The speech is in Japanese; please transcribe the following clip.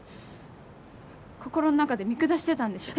心の中で見下してたんでしょ？